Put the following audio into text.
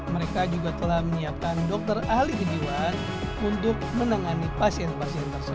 mereka juga telah menyiapkan dokter ahli kejiwaan untuk menangani pasien pasien tersebut